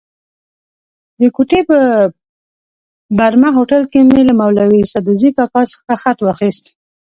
د کوټې په برمه هوټل کې مې له مولوي سدوزي کاکا څخه خط واخیست.